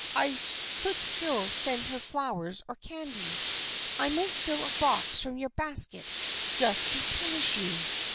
I could still send her flowers or candy. I might fill a box from your basket, just to punish you.